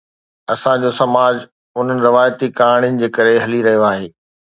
اسان جو سماج انهن روايتي ڪهاڻين جي ڪري هلي رهيو آهي